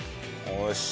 よし。